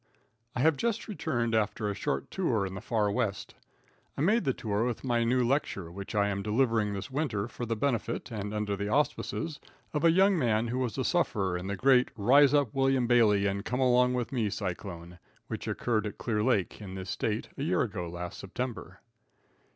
I have just returned after a short tour in the far West. I made the tour with my new lecture, which I am delivering this winter for the benefit, and under the auspices, of a young man who was a sufferer in the great rise up William Biley and come along with me cyclone, which occurred at Clear Lake, in this State, a year ago last September.